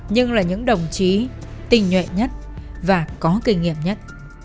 nhưng là những đồng chí tinh nhuệ nhất và có kinh nghiệm nhất